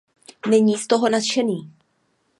Není z toho nadšený.